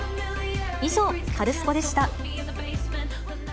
以上、カルスポっ！でした。